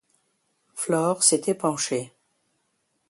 Flore s'était penchée.